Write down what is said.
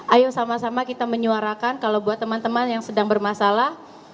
ayo sama sama kita menyuarakan kalau buat teman teman yang sedang bermasalah